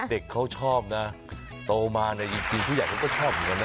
เด็กเขาชอบนะโตมาเนี่ยจริงผู้ใหญ่เขาก็ชอบเหมือนกันนะ